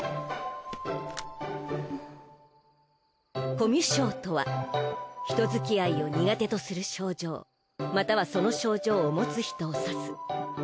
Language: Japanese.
コミュ症とは人づきあいを苦手とする症状またはその症状を持つ人をさす。